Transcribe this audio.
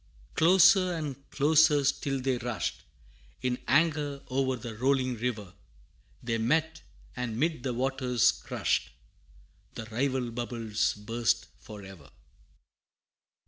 Closer and closer still they rushed, In anger o'er the rolling river; They met, and 'mid the waters crushed, The rival bubbles burst for ever!